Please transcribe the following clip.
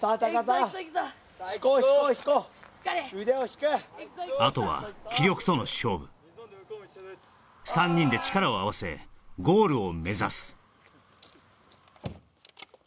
引こういくぞいくぞいくぞしっかり腕を引くあとは気力との勝負３人で力を合わせゴールを目指す